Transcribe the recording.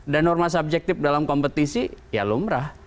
dan norma subjektif dalam kompetisi ya lumrah